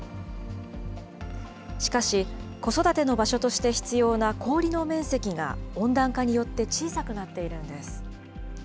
しかし、子育ての場所として必要な氷の面積が温暖化によって小さくなっているんです。